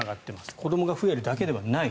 子どもが増えるだけではない。